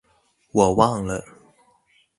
我忘了